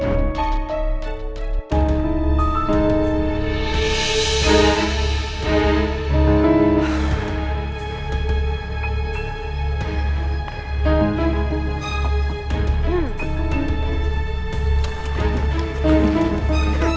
jangan sampai ada yang liat gue yang di ketemuan sama dia